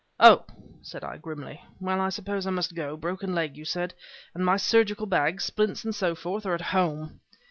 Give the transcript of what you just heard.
"Oh!" said I grimly, "well, I suppose I must go. Broken leg, you said? and my surgical bag, splints and so forth, are at home!"